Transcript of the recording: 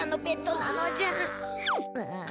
ああ